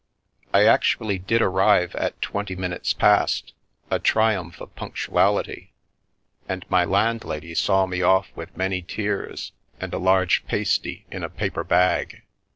I actually did arrive at twenty minutes past, a triumph of punctuality, and my landlady saw me off with many tears, and a large pasty in a paper bag.